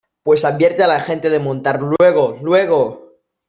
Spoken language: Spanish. pues advierte a la gente de montar luego, luego.